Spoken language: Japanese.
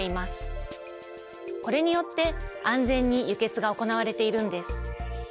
これによって安全に輸血が行われているんです。